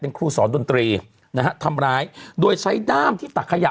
ครูสอนดนตรีนะฮะทำร้ายโดยใช้ด้ามที่ตักขยะ